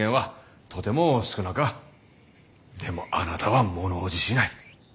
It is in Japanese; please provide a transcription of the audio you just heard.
でもあなたは物おじしない。